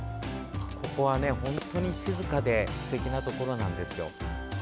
ここは本当に静かですてきなところなんですよ。